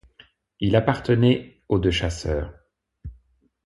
Il appartenait au de Chasseurs.